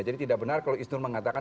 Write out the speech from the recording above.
jadi tidak benar kalau isnur mengatakan